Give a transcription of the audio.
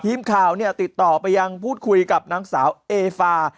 ทีมข่าวติดต่อไปยังพูดคุยกับนางสาวเอฟา